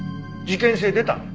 事件性出たの？